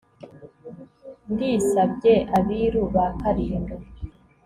ndisabye abiru ba kalinga